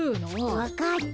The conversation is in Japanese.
分かった。